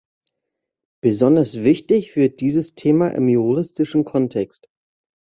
Besonders wichtig wird dieses Thema im juristischen Kontext.